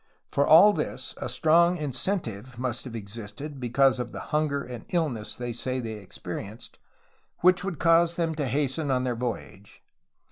For all this a strong incentive must have existed, be cause of the hunger and illness they say they experienced, whicih would cause them to hasten on their voyage.